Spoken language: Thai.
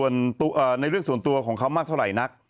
ส่วนในเรื่องส่วนตัวของเขามากเท่าไหร่นัก